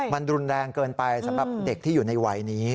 มันรุนแรงเกินไปสำหรับเด็กที่อยู่ในวัยนี้